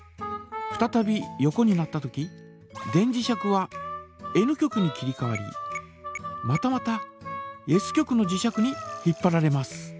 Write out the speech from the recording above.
ふたたび横になったとき電磁石はＮ極に切りかわりまたまたＳ極の磁石に引っぱられます。